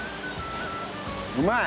うまい。